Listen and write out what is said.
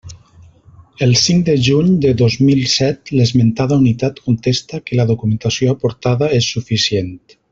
El cinc de juny de dos mil set l'esmentada Unitat contesta que la documentació aportada és suficient.